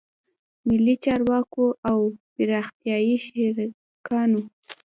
ملي چارواکو او پراختیایي شریکانو